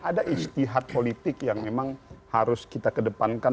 ada istihad politik yang memang harus kita kedepankan